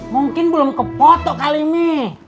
mungkin belum ke foto kali ini